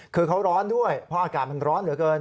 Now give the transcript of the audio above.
คือเขาร้อนด้วยเพราะอากาศมันร้อนเหลือเกิน